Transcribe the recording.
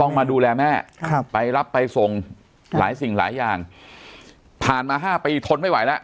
มาดูแลแม่ครับไปรับไปส่งหลายสิ่งหลายอย่างผ่านมา๕ปีทนไม่ไหวแล้ว